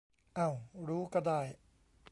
เอ้า รู้ก็ได้